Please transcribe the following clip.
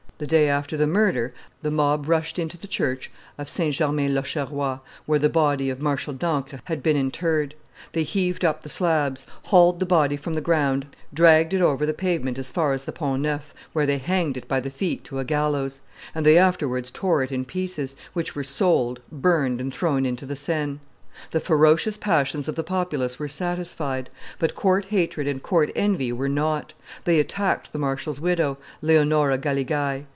The day after the murder, the mob rushed into the church of St. German l'Auxerrois, where the body of Marshal d'Ancre had been interred; they heaved up the slabs, hauled the body from the ground, dragged it over the pavement as far as the Pont Neuf, where they hanged it by the feet to a gallows; and they afterwards tore it in pieces, which were sold, burned, and thrown into the Seine. The ferocious passions of the populace were satisfied; but court hatred and court envy were not; they attacked the marshal's widow, Leonora Galigai.